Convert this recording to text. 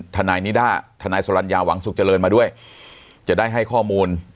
ทนายนิด้าทนายสลัญญาหวังสุขเจริญมาด้วยจะได้ให้ข้อมูล